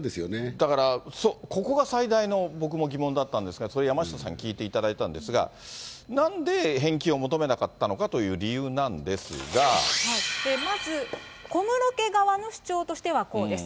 だから、ここが最大の、僕も疑問だったんですが、それ、山下さんに聞いていただいたんですが、なんで返金を求めなかったのかとまず、小室家側の主張としてはこうです。